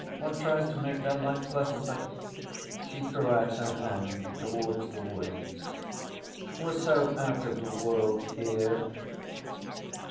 One tries to make their life pleasant, but——" she threw out her hands towards the woods. "We're so out of the world here."